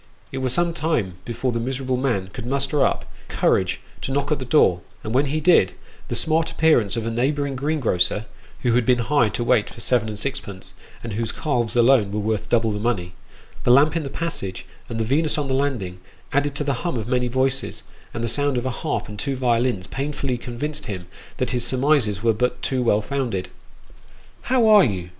It was some time before the miserable man could muster up courage to knock at the door, and when he did, the smart appearance of a neighbouring greengrocer (who had been hired to wait for seven and sixpence, and whose calves alone were worth double the money), the lamp in the passage, and the Venus on the landing, added to the hum of many voices, and the sound of a harp and two violins, painfully convinced him that his surmises were but too well founded. " How are you